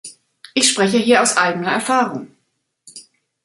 Ich spreche hier aus eigener Erfahrung.